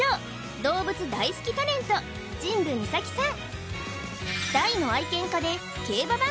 動物大好きタレント神部美咲さん